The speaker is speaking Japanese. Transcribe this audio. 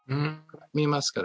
見ますか？